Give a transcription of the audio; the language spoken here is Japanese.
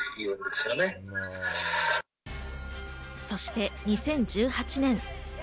そして、２０１８年。